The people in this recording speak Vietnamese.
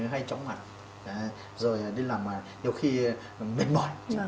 cái người bạn hay chóng mặt rồi đi làm nhiều khi mệt mỏi